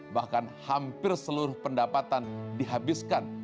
bahkan hampir seluruh pendapatan dihabiskan